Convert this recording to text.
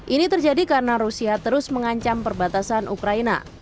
ini terjadi karena rusia terus mengancam perbatasan ukraina